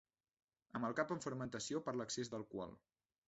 Amb el cap en fermentació per l'excés d'alcohol.